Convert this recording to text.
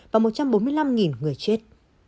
và một trăm bốn mươi năm người chết